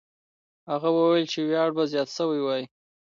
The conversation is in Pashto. هغه وویل چې ویاړ به زیات سوی وای.